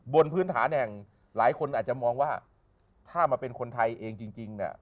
บนพื้นฐานแห่งหลายคนอาจจะมองว่าถ้ามาเป็นคนไทยเองจริงเนี่ย